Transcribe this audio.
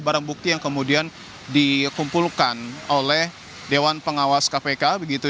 barang bukti yang kemudian dikumpulkan oleh dewan pengawas kpk begitu